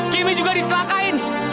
kimi juga diselakain